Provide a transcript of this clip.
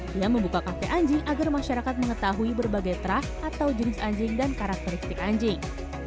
dia membuka kafe anjing agar masyarakat mengetahui berbagai terah atau jenis anjing dan karakteristik anjing